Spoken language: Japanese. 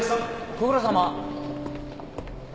ご苦労さま。